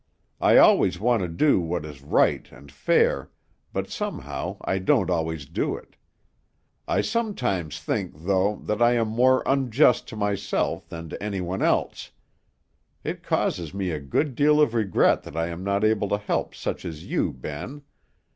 I always want to do what is right and fair, but somehow I don't always do it; I sometimes think, though, that I am more unjust to myself than to anyone else. It causes me a good deal of regret that I am not able to help such as you, Ben.